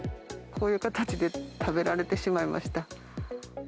こういう形で食べられてしまいました。